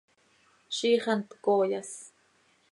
¡Ziix hant cooyas!